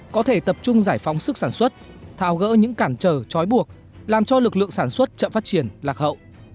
có thể tập trung giải phóng sức sản xuất thao gỡ những cản trở chói buộc làm cho lực lượng sản xuất chậm phát triển lạc hậu